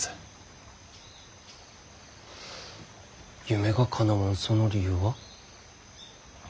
夢がかなわんその理由は？